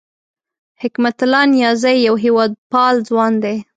حکمت الله نیازی یو هېواد پال ځوان دی